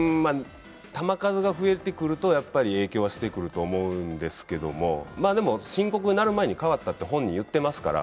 球数が増えてくると、やはり影響はしてくると思うんですけども、でも深刻になる前に代わったって本人言ってますから。